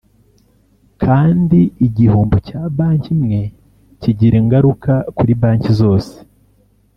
kandi igihombo cya banki imwe kigira ingaruka kuri banki zose